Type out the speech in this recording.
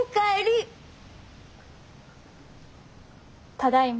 ただいま。